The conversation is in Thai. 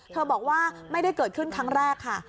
บอกว่าไม่ได้เกิดขึ้นครั้งแรกค่ะ